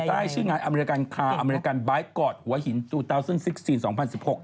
ใต้ชื่องานอเมริกันคาร์อเมริกันไบค์กอร์ดหัวหิน๒๐๑๖๒๐๑๖เนี่ยฮะ